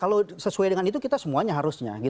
kalau sesuai dengan itu kita semuanya harusnya